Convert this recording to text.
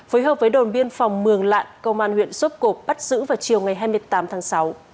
phối hợp với đồn biên phòng mường lạn công an huyện sốp cộp bắt giữ vào chiều ngày hai mươi tám tháng sáu